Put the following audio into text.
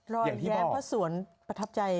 รอยแย้มพระสวนประทับใจ